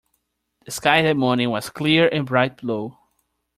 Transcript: The sky that morning was clear and bright blue.